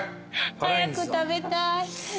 早く食べたい。